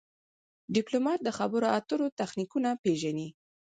ډيپلومات د خبرو اترو تخنیکونه پېژني.